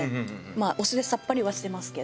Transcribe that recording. お酢でさっぱりはしてますけど。